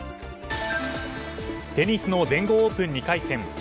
テニスの全豪オープン２回戦。